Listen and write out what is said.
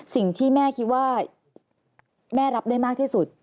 สิ่งที่แม่คิดว่าแม่รับได้มากที่สุด